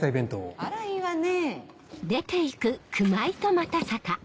あらいいわねぇ。